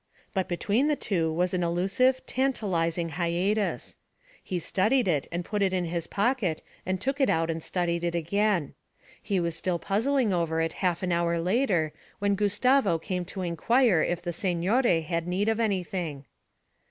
But between the two was an elusive, tantalizing hiatus. He studied it and put it in his pocket and took it out and studied it again. He was still puzzling over it half an hour later when Gustavo came to inquire if the signore had need of anything.